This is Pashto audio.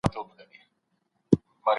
په کورني درس کي د ماشوم پوښتنه نه ردېږي.